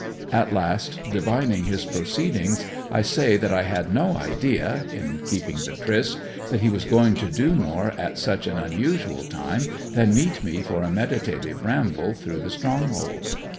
At last divining his proceedings I say that I had no idea, in keeping the tryst, that he was going to do more at such an unusual time than meet me for a meditative ramble through the stronghold.